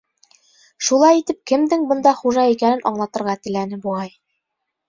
Шулай итеп кемдең бында хужа икәнен аңлатырға теләне, буғай.